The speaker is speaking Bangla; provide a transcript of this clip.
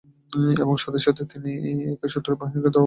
এবং সাথে সাথে তিনি একাই শত্রু বাহিনীকে ধাওয়া করতে থাকেন।